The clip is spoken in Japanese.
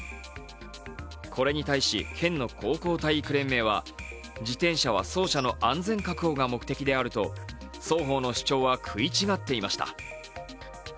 これに対し、県の高校体育連盟は自転車は走者の安全確保が目的であると双方の主張は食い違っていました。